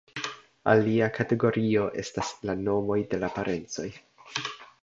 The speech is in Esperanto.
Alia kategorio estas la nomoj de la parencoj.